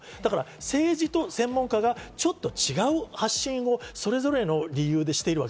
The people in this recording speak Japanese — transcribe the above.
政治と専門家がちょっと違う発信をそれぞれの理由でしている。